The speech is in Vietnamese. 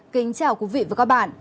kính chào quý vị và các bạn